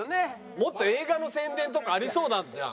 もっと映画の宣伝とかありそうじゃん。